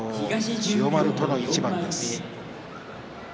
千代丸との一番です。